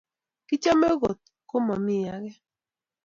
Kichame kot ko mami age